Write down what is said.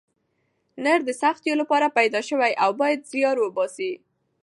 نر د سختیو لپاره پیدا سوی او باید زیار وباسئ.